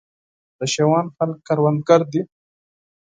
د شېوان خلک کروندګر دي